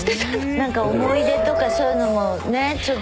何か思い出とかそういうのもねちょっと。